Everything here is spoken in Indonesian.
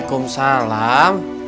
tetap penuh berjalan